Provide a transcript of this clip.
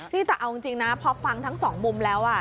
นี่แต่เอาจริงนะพอฟังทั้งสองมุมแล้ว